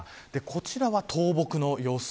こちらは倒木の様子。